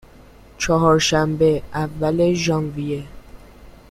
چهارشنبه، اول ژانویه